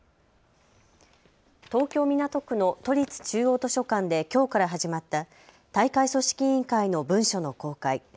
東京港区の都立中央図書館できょうから始まった大会組織委員会の文書の公開。